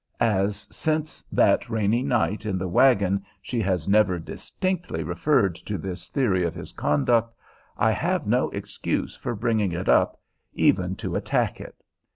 As since that rainy night in the wagon she has never distinctly referred to this theory of his conduct, I have no excuse for bringing it up, even to attack it.